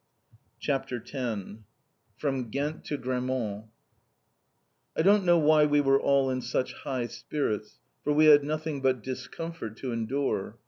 CHAPTER X FROM GHENT TO GRAMMONT I don't know why we were all in such high spirits, for we had nothing but discomfort to endure.